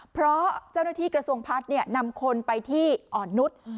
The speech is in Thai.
เพราะเจ้าหน้าที่กระทรวงพัฒน์นำคนไปที่อ่อนนุษย์